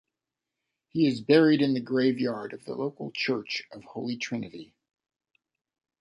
He is buried in the graveyard of the local church of Holy Trinity.